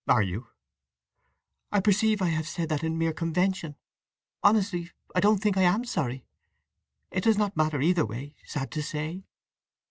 "Are you?" "I perceive I have said that in mere convention! Honestly I don't think I am sorry. It does not matter, either way, sad to say!"